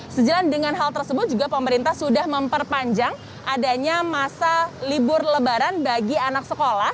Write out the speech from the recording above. sejalan dengan hal tersebut juga pemerintah sudah memperpanjang adanya masa libur lebaran bagi anak sekolah